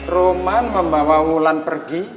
roman membawa wulan pergi